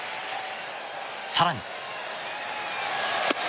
更に。